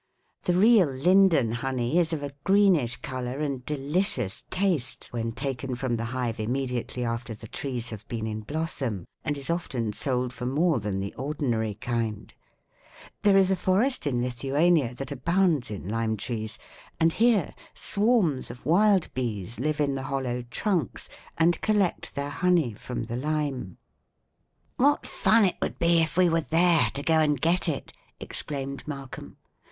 The real linden honey is of a greenish color and delicious taste when taken from the hive immediately after the trees have been in blossom, and is often sold for more than the ordinary kind. There is a forest in Lithuania that abounds in lime trees, and here swarms of wild bees live in the hollow trunks and collect their honey from the lime.'" [Illustration: LEAF AND FLOWER OF LIME TREE (Tilia).] "What fun it would be, if we were there, to go and get it!" exclaimed Malcolm.